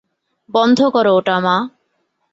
বন্ধ কর, ওটা মা!